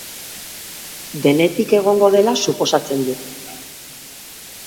Denetik egongo dela suposatzen dut.